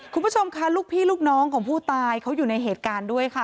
คุณผู้ชมค่ะลูกพี่ลูกน้องของผู้ตายเขาอยู่ในเหตุการณ์ด้วยค่ะ